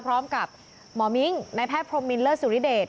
พร้อมกับหมอมิ้งแม่แพทย์พรมมิลเลอร์ศูนิเดช